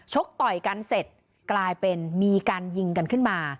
ต่อยกันเสร็จกลายเป็นมีการยิงกันขึ้นมา